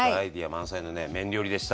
満載のね麺料理でした！